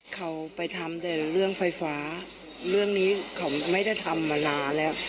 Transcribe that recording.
เขาไปทำแต่เรื่องไฟฟ้าเรื่องนี้เขาไม่ได้ทำมานานแล้ว